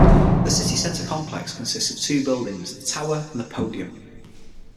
The Centre City complex consists of two buildings, the Tower and the Podium.